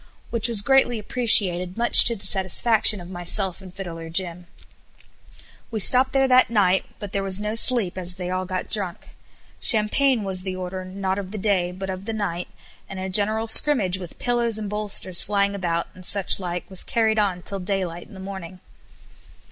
which was greatly appreciated much to the satisfaction of myself and Fiddler Jim. We stopped there that night, but there was no sleep as they all got drunk. Champagne was the order, not of the day, but of the night, and a general scrimmage with pillows and bolsters flying about, and such like, was carried on till daylight in the morning.